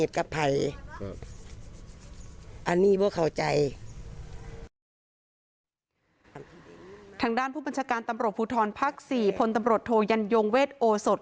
ทางด้านผู้บัญชาการตำรวจภูทรภาค๔พลตำรวจโทยันยงเวทโอสด